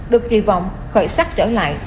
được kỳ vọng khởi sắc trở lại